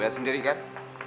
lo liat sendiri kan